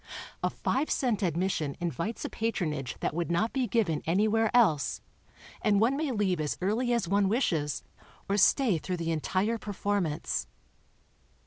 A five cent admission invites a patronage that would not be given anywhere else, and one may leave as early as one wishes, or stay through the entire performance.